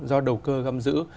do đầu cơ găm giữ